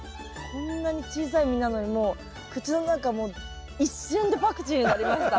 こんなに小さい実なのにもう口の中もう一瞬でパクチーになりました。